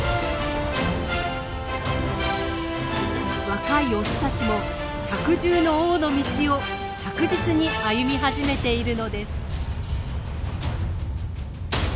若いオスたちも百獣の王の道を着実に歩み始めているのです。